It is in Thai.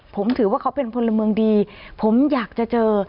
ผมถือว่าเขาเป็นพลเมืองดีผมอยากจะเจอ